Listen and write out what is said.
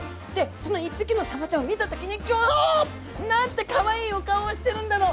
その１匹のさばちゃんを見た時にギョギョー！なんてかわいいお顔をしてるんだろう。